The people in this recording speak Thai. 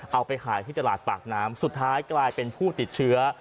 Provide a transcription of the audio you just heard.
เอาไปขายที่ตลาดปากน้ำสุดท้ายกลายเป็นผู้ติดเชื้อ